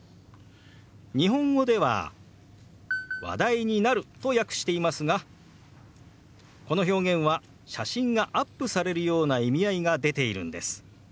日本語では「話題になる」と訳していますがこの表現は写真がアップされるような意味合いが出ているんです。